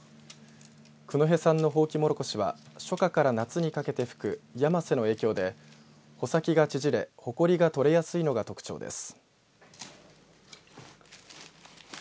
九戸産のホウキモロコシは初夏から夏にかけて吹くやませの影響で穂先が縮れほこりが取れやすいのが特徴です。